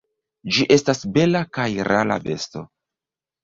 Ĝi estas bela kaj rara besto.